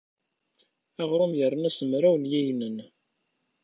Aɣrum yerna s mraw n yiyenen.